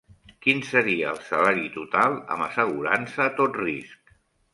Quin seria el salari total, amb assegurança a tot risc?